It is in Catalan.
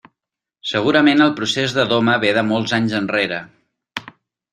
Segurament el procés de doma ve de molts anys enrere.